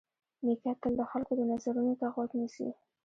نیکه تل د خلکو د نظرونو ته غوږ نیسي.